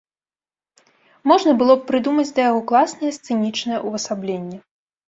Можна было б прыдумаць да яго класнае сцэнічнае ўвасабленне.